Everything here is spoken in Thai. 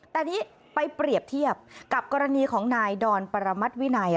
แต่นี่ไปเปรียบเทียบกับกรณีของนายดอนปรมัติวินัย